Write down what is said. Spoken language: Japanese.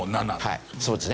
はいそうですね。